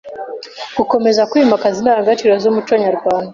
Gukomeza kwimakaza indangagaciro z’umuco nyarwanda